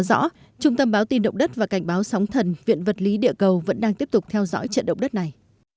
trong trung tâm báo tin động đất và cảnh báo sóng thần viện vật lý địa cầu vẫn đang tiếp tục theo dõi trận động đất này